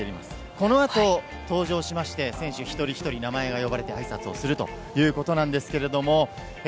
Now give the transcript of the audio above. この後登場しまして選手ひとりひとり名前が呼ばれてあいさつするということです。